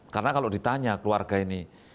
karena kalau ditanya keluarga ini